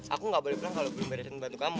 aku gak boleh bilang kalau belum beresin bantu kamu